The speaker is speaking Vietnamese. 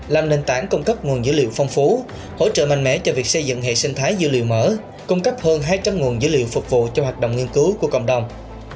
làm nền tảng cung cấp nguồn dữ liệu phong phú hỗ trợ mạnh mẽ cho việc xây dựng hệ sinh thái dữ liệu mở cung cấp hơn hai trăm linh nguồn dữ liệu phục vụ cho hoạt động nghiên cứu của cộng đồng